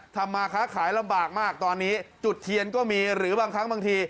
ทำมาค้าขายลำบากมากตอนนี้จุดเทียนก็มีหรือบางครั้งบางที